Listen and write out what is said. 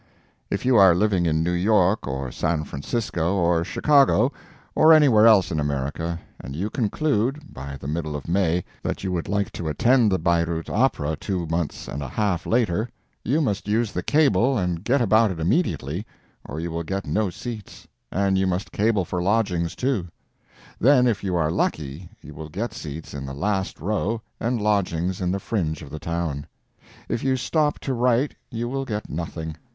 If you are living in New York or San Francisco or Chicago or anywhere else in America, and you conclude, by the middle of May, that you would like to attend the Bayreuth opera two months and a half later, you must use the cable and get about it immediately or you will get no seats, and you must cable for lodgings, too. Then if you are lucky you will get seats in the last row and lodgings in the fringe of the town. If you stop to write you will get nothing.